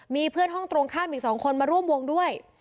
มีเพื่อนห้องตรงข้ามอีก๒คนมาร่วมวงด้วย